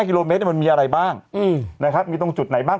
กิโลเมตรมันมีอะไรบ้างนะครับมีตรงจุดไหนบ้าง